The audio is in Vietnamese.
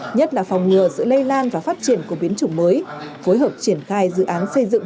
nhất là phòng ngừa sự lây lan và phát triển của biến chủng mới phối hợp triển khai dự án xây dựng